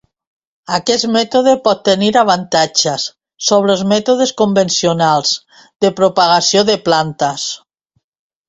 Aquest mètode pot tenir avantatges sobre els mètodes convencionals de propagació de plantes.